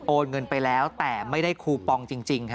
เงินไปแล้วแต่ไม่ได้คูปองจริง